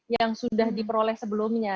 yang sudah diperoleh sebelumnya